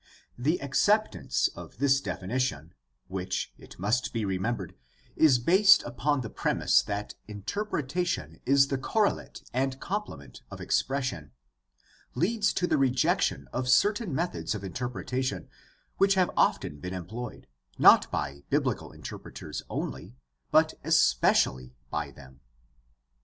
— The accept ance of this definition, which, it must be remembered, is based 176 GUIDE TO STUDY OF CHRISTIAN RELIGION upon the premise that interpretation is the correlate and com plement of expression, leads to the rejection of certain methods of interpretation which have often been employed, not by biblical interpreters only, but especially by them.